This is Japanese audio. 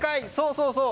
そうそう。